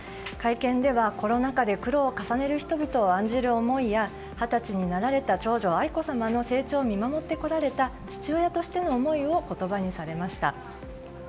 会見ではコロナ禍で苦労を重ねる人々を案じる思いや、二十歳になられた長女・愛子さまの成長を見守ってこられた父親としての思いを言葉にされました。